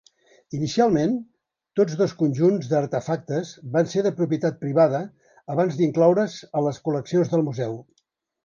Inicialment, tots dos conjunts d'artefactes van ser de propietat privada abans d'incloure's a les col·leccions del museu.